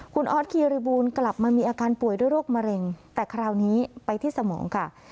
คุณออสคีริบูลกลับมามีอาการป่วยด้วยโรคมะเร็งแต่คราวนี้ไปที่สมองค่ะ